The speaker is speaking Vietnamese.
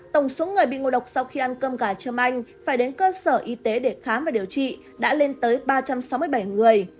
tổng số người bị ngộ độc sau khi ăn cơm gà trơm anh phải đến cơ sở y tế để khám và điều trị đã lên tới ba trăm sáu mươi bảy người